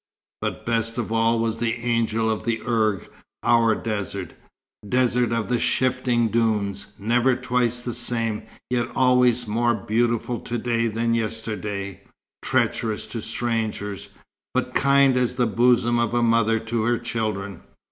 But best of all was the Angel of the Erg, our desert desert of the shifting dunes, never twice the same, yet always more beautiful to day than yesterday; treacherous to strangers, but kind as the bosom of a mother to her children.